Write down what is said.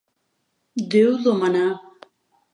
Déu do mannà!